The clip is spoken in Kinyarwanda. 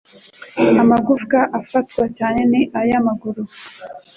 Amagufwa afatwa cyane ni ay'amaguru